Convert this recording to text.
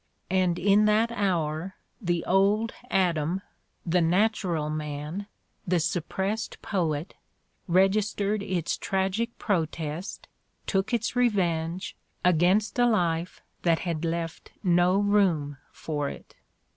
And in that hour the "old Adam," the natural man, the suppressed poet, registered its tragic protest, took its revenge, against a life that had left no room for it.